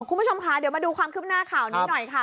คุณผู้ชมค่ะเดี๋ยวมาดูความคืบหน้าข่าวนี้หน่อยค่ะ